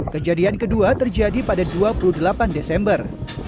kejadian kedua terjadi pada dua puluh delapan desember